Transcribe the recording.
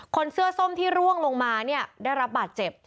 คนเสื้อส้มที่ร่วงลงมาเนี่ยได้รับบาดเจ็บ